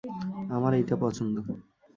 আমার এইটা পছন্দ।